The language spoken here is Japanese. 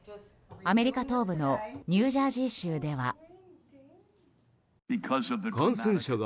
アメリカ東部のニュージャージー州では。